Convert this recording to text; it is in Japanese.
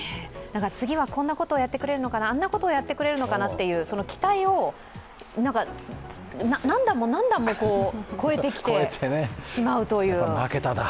次はこんなことやってくれるのかな、あんなことやってくれるのかなというその期待を、何段も何段も超えてきてしまうという。